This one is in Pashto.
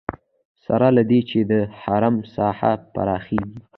سره له دې چې د حرم ساحه پراخېږي.